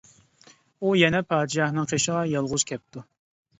ئۇ يەنە پادىشاھنىڭ قېشىغا يالغۇز كەپتۇ.